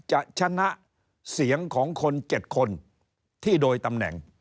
จะชนะเสียงของคน๗คนที่โดยตำแหน่ง